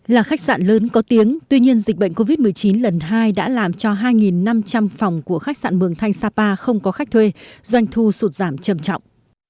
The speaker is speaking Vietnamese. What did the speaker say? là khách sạn lớn có tiếng tuy nhiên dịch bệnh covid một mươi chín lần hai đã làm cho hai năm trăm linh phòng của khách sạn mường thanh sapa không có khách thuê doanh thu sụt giảm chầm trọng